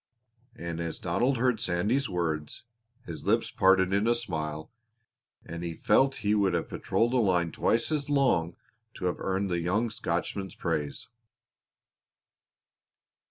And as Donald heard Sandy's words his lips parted in a smile and he felt he would have patrolled a line twice as long to have earned the young Scotchman's praise.